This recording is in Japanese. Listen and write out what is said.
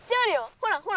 ほらほら。